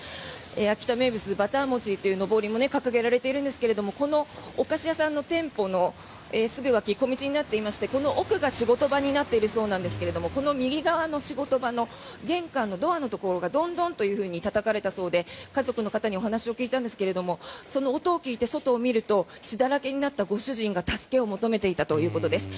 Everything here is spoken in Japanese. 秋田名物バター餅というのぼりも掲げられているんですがこのお菓子屋さんの店舗のすぐ脇小道になっていましてこの奥が仕事場になっているそうなんですがこの右側の仕事場の玄関のドアのところがドンドンというふうにたたかれたそうで家族の方にお話を聞いたんですがその音を聞いて外を見ると血だらけになったご主人が助けを求めていたということです。